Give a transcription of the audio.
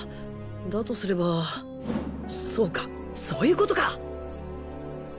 だとすればそうかそういうことか！